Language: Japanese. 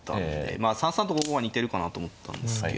まあ３三と５五は似てるかなと思ったんですけど。